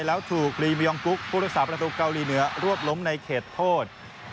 แล้วถูกพุทธศาสตร์ประตูเกาหลีเหนือรวบล้มในเขตโทษ